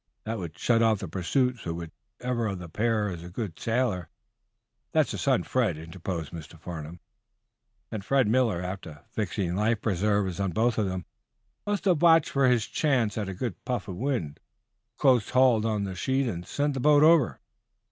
That would shut off pursuit. So whichever of the pair is a good sailor " "That's the son, Fred," interposed Mr. Farnum. "Then Fred Miller, after fixing life preservers on both of them, must have watched for his chance at a good puff of wind, close hauled on the sheet and sent the boat over.